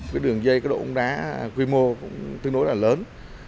cái đường dây cá độ uống đá quy mô tương đối là lớn